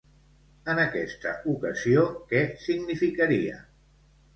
En aquesta ocasió, què significaria?